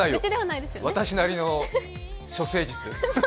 私なりの処世術。